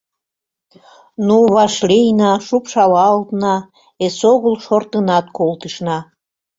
Ну, вашлийна, шупшалалтна, эсогыл шортынат колтышна.